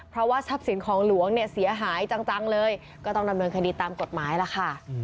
เพราะว่าทรัพย์สินของหลวงเนี่ยเสียหายจังเลยก็ต้องดำเนินคดีตามกฎหมายล่ะค่ะ